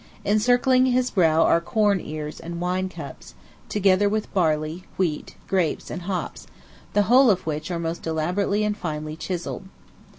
Encircling his brow are corn ears and wine cups, together with barley, wheat, grapes, and hops, the whole of which are most elaborately and finely chiselled.